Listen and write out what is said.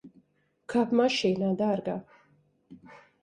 Kāp mašīnā, dārgā.